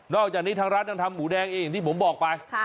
อกจากนี้ทางร้านยังทำหมูแดงเองอย่างที่ผมบอกไป